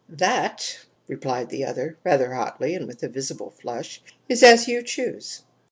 "That," replied the other, rather hotly and with a visible flush, "is as you choose.